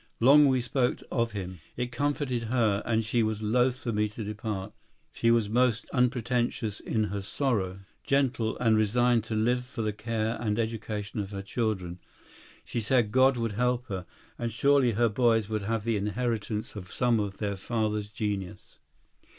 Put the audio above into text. Long we spoke of him; it comforted her, and she was loath for me to depart. She was most unpretentious in her sorrow, gentle, and resigned to live for the care and education of her children. She said God would help her, and surely her boys would have the inheritance of some of their father's genius.